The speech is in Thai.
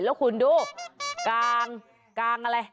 แล้วคุณดูกางกางอะไร